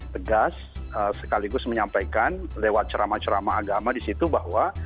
tegas sekaligus menyampaikan lewat ceramah ceramah agama di situ bahwa